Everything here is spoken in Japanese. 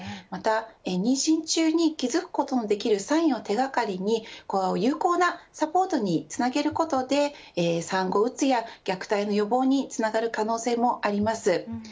また、妊娠中に気付くことのできるサインを手掛かりに有効なサポートにつなげることで産後うつや虐待の予防につながる可能性もあります。